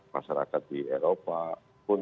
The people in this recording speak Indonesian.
masyarakat di eropa pun